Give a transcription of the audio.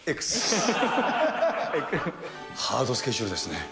ハードスケジュールですね。